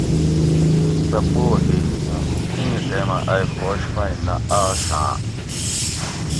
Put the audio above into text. سہ پوہ ھے اوُں ایں ٹیمہ ائ ھوش مئ نہ آشآں